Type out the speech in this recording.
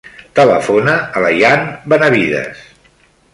Telefona a l'Ayaan Benavides.